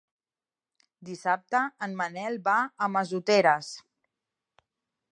Dissabte en Manel va a Massoteres.